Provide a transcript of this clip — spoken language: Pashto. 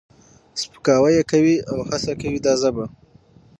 سپکاوی یې کوي او هڅه کوي دا ژبه